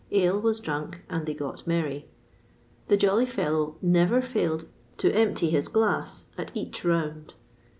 Ale was drunk, and they got merry. The jolly fellow never failed to empty his glass at each round.